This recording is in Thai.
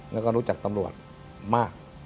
แล้วก็รู้จักตำรวจมาก